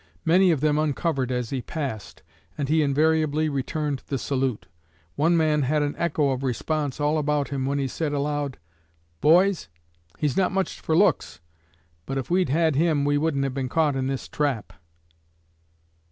Many of them uncovered as he passed, and he invariably returned the salute. One man had an echo of response all about him when he said aloud: "Boys, he's not much for looks, but if we'd had him we wouldn't have been caught in this trap."